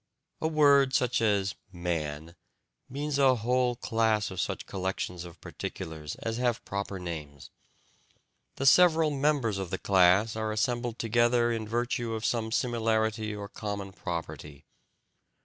A word such as "man" means a whole class of such collections of particulars as have proper names. The several members of the class are assembled together in virtue of some similarity or common property.